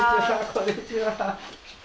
こんにちは。